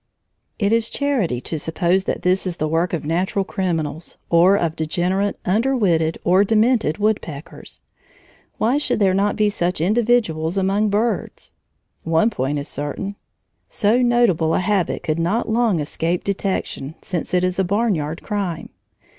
It is charity to suppose that this is the work of natural criminals, or of degenerate, under witted, or demented woodpeckers. Why should there not be such individuals among birds? One point is certain: so notable a habit could not long escape detection, since it is a barnyard crime.